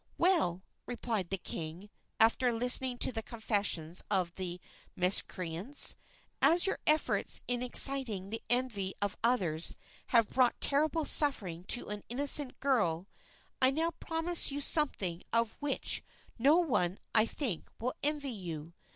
"Well," replied the king, after listening to the confessions of the miscreants, "as your efforts in exciting the envy of others have brought terrible suffering to an innocent girl, I now promise you something of which no one, I think, will envy you.